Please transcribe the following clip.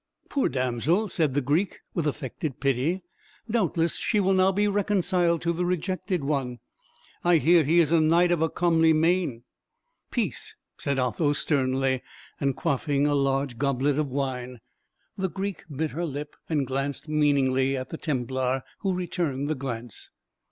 "Poor damsel," said the Greek, with affected pity, "doubtless she will now be reconciled to the rejected one. I hear he is a knight of a comely mien." "Peace!" said Otho, sternly, and quaffing a large goblet of wine. The Greek bit her lip, and glanced meaningly at the Templar, who returned the glance.